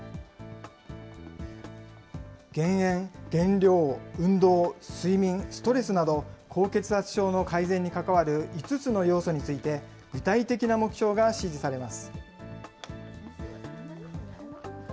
減塩、減量、運動、睡眠、ストレスなど、高血圧症の改善に関わる５つの要素について、具体的な目標が指示されます。